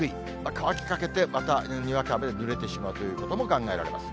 乾きかけて、またにわか雨でぬれてしまうということも考えられます。